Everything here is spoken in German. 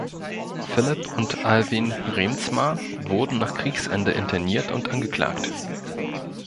Philipp und Alwin Reemtsma wurden nach Kriegsende interniert und angeklagt.